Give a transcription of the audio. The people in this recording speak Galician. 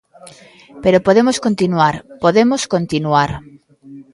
Pero podemos continuar, podemos continuar.